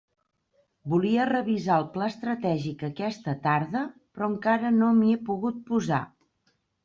Volia revisar el pla estratègic aquesta tarda, però encara no m'hi he pogut posar.